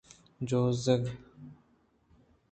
جوزگ